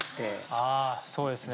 あそうですね。